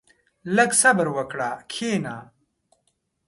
• لږ صبر وکړه، کښېنه.